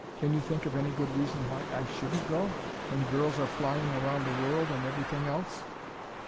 "Can you think of any good reason why I shouldn't go, when girls are flying around the world and everything else?"